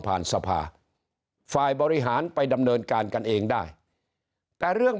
สภาฝ่ายบริหารไปดำเนินการกันเองได้แต่เรื่อง